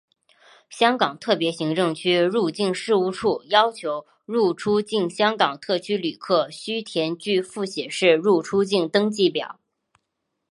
香港特别行政区入境事务处要求入出境香港特区旅客须填具复写式入出境登记表。